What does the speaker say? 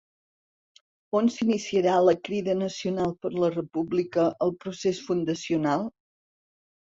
On s'iniciarà la Crida Nacional per la República el procés fundacional?